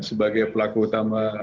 sebagai pelaku utama